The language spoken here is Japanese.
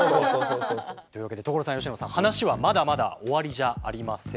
というわけで所さん佳乃さん話はまだまだ終わりじゃありません。